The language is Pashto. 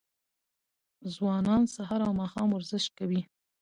ځوانان سهار او ماښام ورزش کوي.